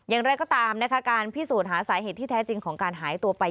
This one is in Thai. อย่างไรก็ตามนะคะการพิสูจน์หาสาเหตุที่แท้จริงของการหายตัวไป